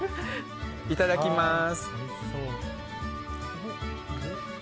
いただきます。